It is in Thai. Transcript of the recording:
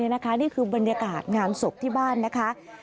นี่คือบรรยากาศงานศพที่บ้านนะคะ